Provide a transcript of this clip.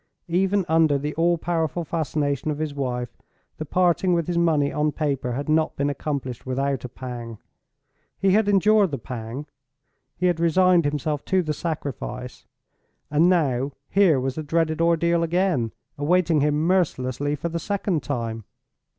Even under the all powerful fascination of his wife the parting with his money on paper had not been accomplished without a pang. He had endured the pang; he had resigned himself to the sacrifice. And now here was the dreaded ordeal again, awaiting him mercilessly for the second time!